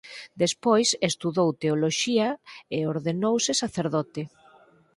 Despois estudou Teoloxía e ordenouse sacerdote.